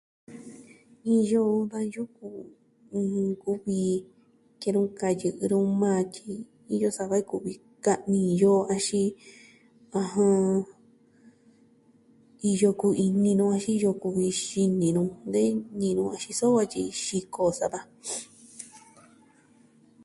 Iyo da yuku ɨjɨn, ni nkuvi kayɨ'ɨ nu majan tyi iyo sava kuvi ka'nijin iyo axin, ɨjɨn, iyo kuvi ini nu axin iyo kuvi xini nu de ni'i ni suu va tyi xiko jo sava.